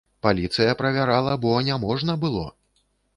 Паліцыя правярала, бо не можна было!